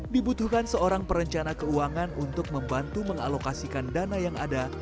dibutuhkan seorang perencana keuangan untuk membantu mengalokasikan dana yang ada